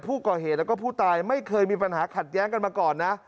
ผู้ก่อเหตุแล้วก็ผู้ตายไม่เคยมีปัญหาขัดแย้งกันมาก่อนนะ